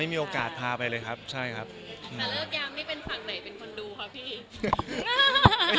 พี่กัลพาคุณพ่อคุณแม่เราไปหาพ่อแม่ที่อื่นไม่ยัง